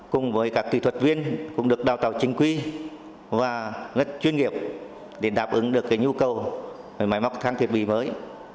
cùng với các kỹ thuật viên cũng được đào tạo chính quy và rất chuyên nghiệp để đáp ứng được nhu cầu máy móc trang thiết bị mới